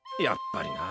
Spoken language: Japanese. やっぱりな。